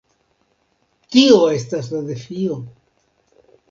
Tio estas la defio!